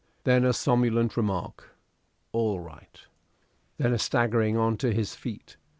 Then a somnolent remark "All right!" Then a staggering on to his feet.